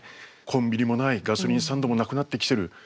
コンビニもないガソリンスタンドもなくなってきてる。